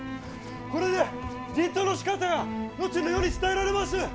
これで人痘のしかたは後の世に伝えられます！